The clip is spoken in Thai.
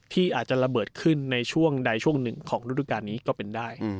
ที่อาจจะระเบิดขึ้นในช่วงใดช่วงหนึ่งของฤดูการนี้ก็เป็นได้